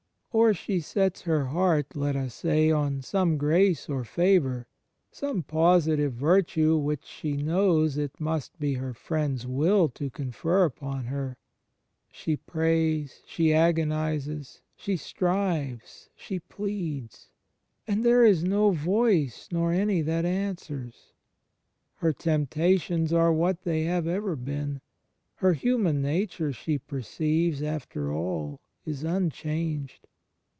Or she sets her heart, let us say, on some grace or favour, some positive virtue which she knows it must be her Friend's will to confer upon her; she prays, she agonizes, she strives, she pleads — and there is no voice nor any that answers. Her temptations are what they have ever been; her human nature, she perceives, after all is unchanged.